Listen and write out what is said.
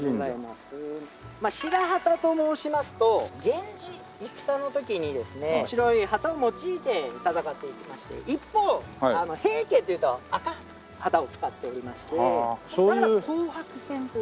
白旗と申しますと源氏戦の時にですね白い旗を用いて戦っていきまして一方平家というと赤旗を使っておりましてそこから「紅白戦」というと。